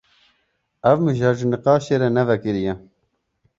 Ev mijar ji nîqaşê re ne vekirî ye.